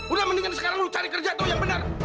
udah mendingan sekarang lu cari kerja tuh yang benar